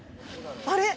あれ？